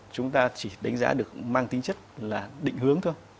chúng ta chỉ đánh giá được mang tính chất là định hướng thôi